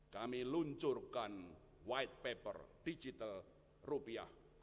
kami luncurkan white paper digital rupiah